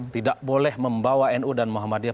tidak boleh membawa nu dan muhammadiyah